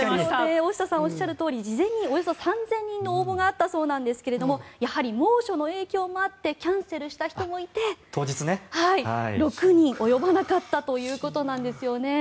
大下さんがおっしゃるとおり事前に３０００人の応募があったそうなんですがやはり猛暑の影響もあってキャンセルした人もいて６人及ばなかったということなんですね。